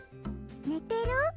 ねてる？